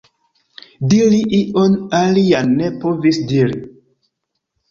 Diri ion alian ne povis diri.